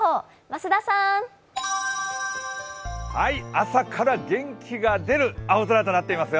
朝から元気が出る青空となっていますよ。